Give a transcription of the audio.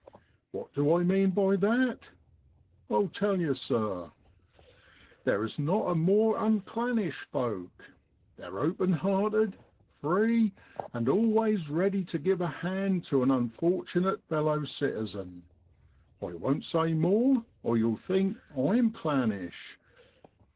4 What do I mean by that? I'll tell you, sir; there is not a more un clannish folk: they're open hearted, free, and always ready to give a hand to an unfortunate fellow citizen. I won't say more or you'll think I'm clannish.